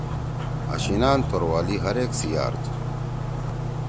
آشینان توروالی ہر ایک سی یار تُھو۔